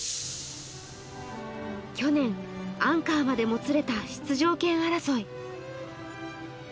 去年、アンカーまでもつれた出場権争い。